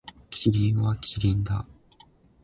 キリンはキリンだ。